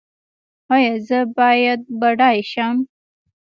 ایا زه باید بډای شم؟